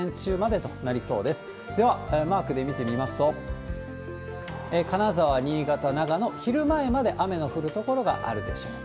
では、マークで見てみますと、金沢、新潟、長野、昼前まで雨の降る所があるでしょう。